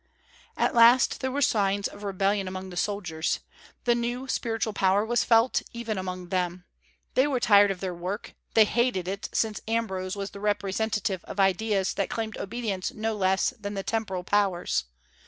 At last there were signs of rebellion among the soldiers. The new spiritual power was felt, even among them. They were tired of their work; they hated it, since Ambrose was the representative of ideas that claimed obedience no less than the temporal powers.